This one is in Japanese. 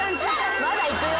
まだいくよ。